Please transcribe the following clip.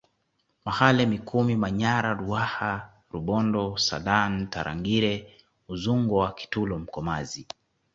Mahale Mikumi Manyara Ruaha Rubondo saadan Tarangire Udzungwa Kitulo Mkomazi